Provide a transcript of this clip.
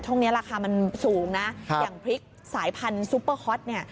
ช่วงนี้ราคามันสูงนะอย่างพริกสายพันธุ์ซุปเปอร์ฮอตเนี่ย